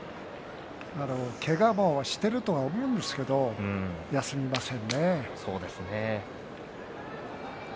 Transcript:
けがもしているとは思うんですけれど休みませんね。